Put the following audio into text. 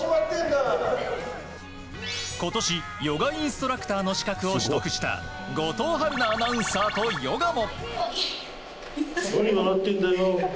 今年、ヨガインストラクターの資格を取得した後藤晴菜アナウンサーとヨガも。